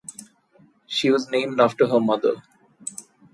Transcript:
She was named after her mother.